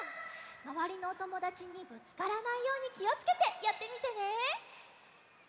まわりのおともだちにぶつからないようにきをつけてやってみてね！